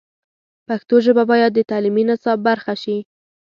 پښتو ژبه باید د تعلیمي نصاب برخه شي.